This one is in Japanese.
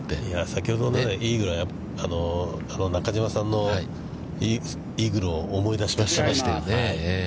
先ほどのイーグルは、あの中嶋さんのイーグルを思い出しました。